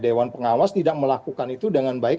dewan pengawas tidak melakukan itu dengan baik